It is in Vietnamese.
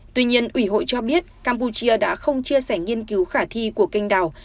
tuy nhiên ủy hội cho biết campuchia đã không chia sẻ nghiên cứu khả thi của canh đào